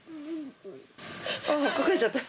隠れちゃった。